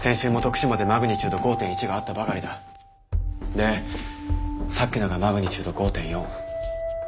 でさっきのがマグニチュード５．４。